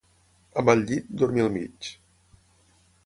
A mal llit, dormir al mig.